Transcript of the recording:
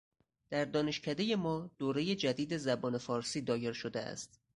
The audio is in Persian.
در دانشکدهٔ ما دورهٔ جدید زبان فارسی دایر شده است.